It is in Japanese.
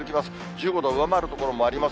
１５度上回る所もあります。